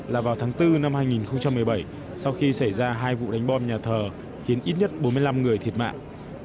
là vào tháng bốn năm hai nghìn một mươi bảy sau khi xảy ra hai vụ đánh bom nhà thờ khiến ít nhất bốn mươi năm người thiệt mạng